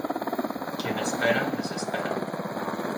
Quien espera, desespera.